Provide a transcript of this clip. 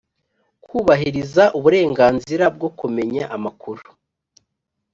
Kubahiriza uburenganzira bwo kumenya amakuru